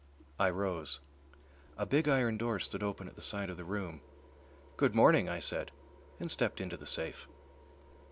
I rose. A big iron door stood open at the side of the room. "Good morning," I said, and stepped into the safe.